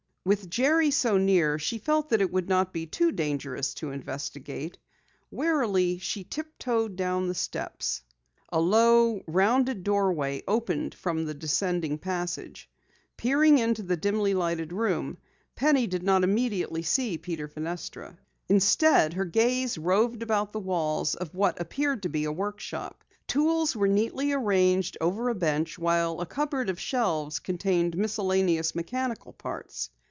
With Jerry so near, she felt that it would not be too dangerous to investigate. Warily she tiptoed down the steps. A low, rounding doorway opened from the descending passage. Peering into the dimly lighted room, Penny did not immediately see Peter Fenestra. Instead her gaze roved about the walls of what appeared to be a workshop. Tools were neatly arranged over a bench, while a cupboard of shelves contained miscellaneous mechanical parts.